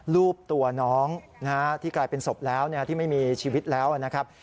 รูปตัวน้องที่กลายเป็นศพแล้วที่ไม่มีชีวิตแล้วนะครับ